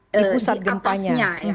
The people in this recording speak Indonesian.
di pusat gempanya